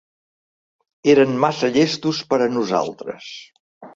Eren massa llestos per a nosaltres!